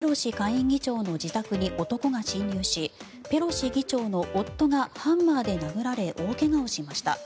２８日早朝、アメリカのペロシ下院議長の自宅に男が侵入しペロシ議長の夫がハンマーで殴られ大怪我をしました。